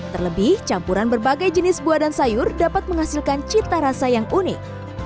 terlebih campuran berbagai jenis buah dan sayur dapat menghasilkan cita rasa yang unik